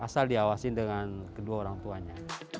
asal diawasin dengan kedua orang tuanya